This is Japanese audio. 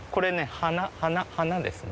花ですね。